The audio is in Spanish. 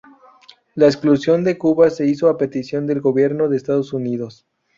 La exclusión de Cuba se hizo a petición del gobierno de Estados Unidos.